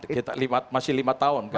ya masih lima tahun kan